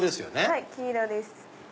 はい黄色です。